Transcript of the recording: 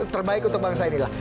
terbaik untuk bangsa inilah